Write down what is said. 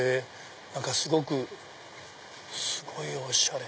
何かすごくすごいおしゃれ！